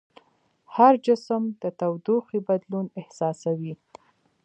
هر جسم د تودوخې بدلون احساسوي.